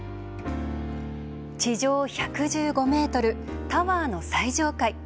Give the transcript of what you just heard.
地上１１５ｍタワーの最上階。